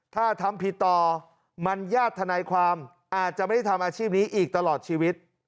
ถ้าทำผิดต่อมันญาติธนายความอาจจะไม่ได้ทำอาชีพนี้อีกตลอดชีวิต